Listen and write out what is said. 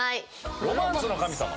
「ロマンスの神さま」。